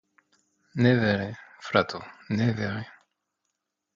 Ne vere, frato, ne vere?